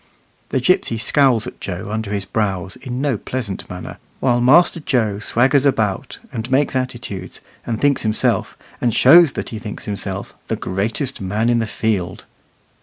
The gipsy scowls at Joe under his brows in no pleasant manner, while Master Joe swaggers about, and makes attitudes, and thinks himself, and shows that he thinks himself, the greatest man in the field.